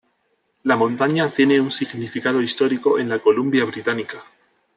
La montaña tiene un significado histórico en la Columbia Británica.